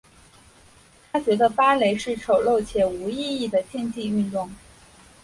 她觉得芭蕾是丑陋且无意义的竞技运动。